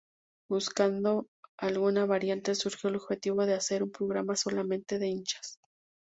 Buscando alguna variante surgió el objetivo de hacer un programa solamente de hinchas.